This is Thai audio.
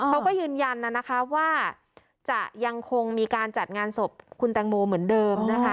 เขาก็ยืนยันนะคะว่าจะยังคงมีการจัดงานศพคุณแตงโมเหมือนเดิมนะคะ